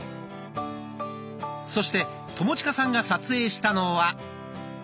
そして友近さんが撮影したのは。